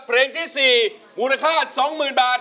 เพลงที่๔มูลค่า๒๐๐๐บาท